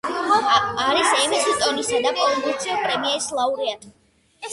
არის ემის, ტონისა და პულიცერის პრემიების ლაურეატი.